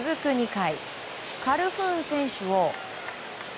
２回カルフーン選手を。